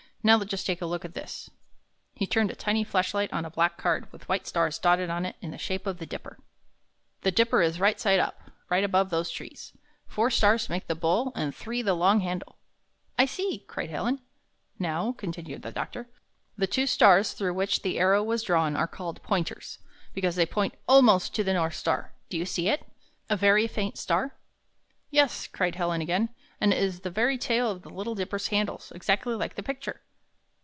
"Now just take a look at this." He turned a tiny flash hght on a black card with white stars dotted on it in the shape of the Dipper. '^^ Steer A I cor I found this on 3 ''The Dipper is right side up, right above those trees. , Four stars_ make the bowl and three the long handle." ''I see!" cried Helen. "Now," continued the doctor, ''the two stars thi'ough which the arrow was drawn are called Pointers, because they point almost to the North Star. Do you see it? A very faint star?" "Yes," cried Helen again, "and it is the very tail of the Little Dipper's handle, exactly like the picture."